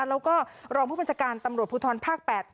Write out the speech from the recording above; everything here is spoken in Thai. แล้วก็รองผู้บัญชาการตำรวจภูทรภาค๘